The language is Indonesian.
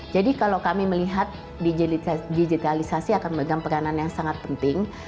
jadi kalau kami melihat digitalisasi akan memegang peranan yang sangat penting